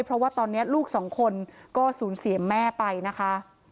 เพราะว่าตอนนี้ลูกสองคนก็สูญเสียแม่ไปนะคะ